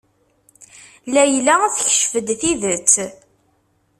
Layla tekcef-d tidet.